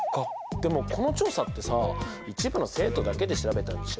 でもこの調査ってさ一部の生徒だけで調べたんでしょ？